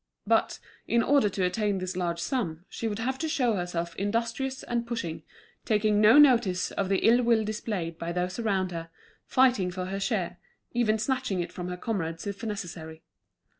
But, in order to attain this large sum, she would have to show herself industrious and pushing, taking no notice of the ill will displayed by those around her, fighting for her share, even snatching it from her comrades if necessary.